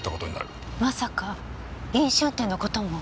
まさか飲酒運転の事も？